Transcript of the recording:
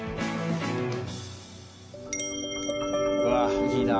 うわっいいな。